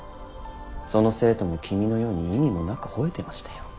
その生徒も君のように意味もなくほえてましたよ。